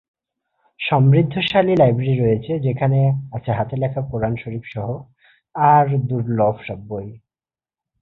সমৃদ্ধশালী লাইব্রেরি রয়েছে, যেখানে আছে হাতে লেখা কোরআন শরীফ সহ আর দুর্লভ সব বই।